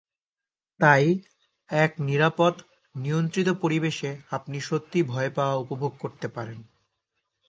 তাই, এক নিরাপদ, নিয়ন্ত্রিত পরিবেশে আপনি সত্যিই ভয় পাওয়া উপভোগ করতে পারেন।